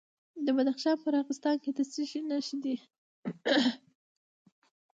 د بدخشان په راغستان کې د څه شي نښې دي؟